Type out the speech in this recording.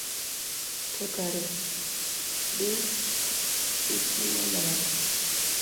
To kare dis ipimo nade?